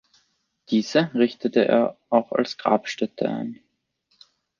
Diese richtete er auch als Grabstätte ein.